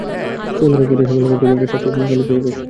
চূড়ান্ত রায় পেতে সময় লাগবে, তবে একটা শাস্তি কালই পেয়ে গেছেন।